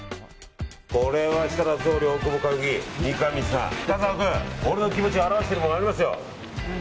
これは設楽総理大久保佳代子議員三上さん、深澤君俺の気持ちを表してるものありますよ。